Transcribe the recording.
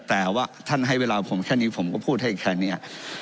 แต่ว่าท่านให้เวลาผมแค่นี้ผมก็พูดให้แค่นี้